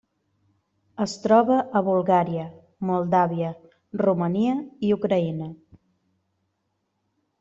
Es troba Bulgària, Moldàvia, Romania i Ucraïna.